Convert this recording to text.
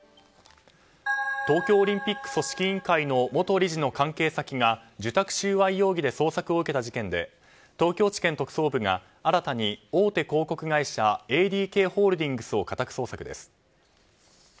東京オリンピック組織委員会の元理事の関係先が受託収賄容疑で捜索を受けた事件で東京地検特捜部が新たに、大手広告会社ＡＤＫホールディングスを家宅捜索です。